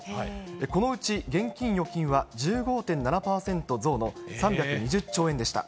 このうち現金・預金は、１５．７％増の３２０兆円でした。